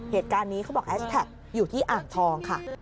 เหตุการณ์นี้เขาบอกแอชแท็กอยู่ที่อ่านทองค่ะ